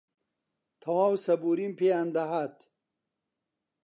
تەواو سەبووریم پێیان دەهات